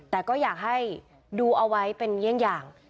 แต่ก็อยากให้ดูเอาไว้เป็นอย่าง